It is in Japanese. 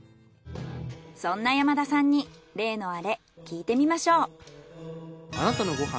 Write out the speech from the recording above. そんな山田さんに例のアレ聞いてみましょう。